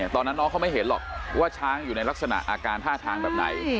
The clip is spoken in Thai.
ตอนนั้นน้องเขาไม่เห็นหรอกว่าช้างอยู่ในลักษณะอาการท่าทางแบบไหน